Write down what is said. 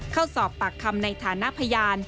เข้าสอบปากคำในฐานะพยาน